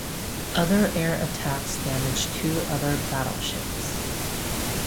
Other air attacks damage two other battleships.